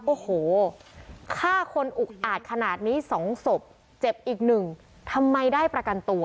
โอ้โหฆ่าคนอุกอาจขนาดนี้สองศพเจ็บอีกหนึ่งทำไมได้ประกันตัว